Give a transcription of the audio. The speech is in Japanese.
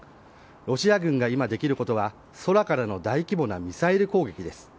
ロシア軍が今できることは空からの大規模なミサイル攻撃です。